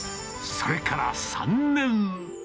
それから３年。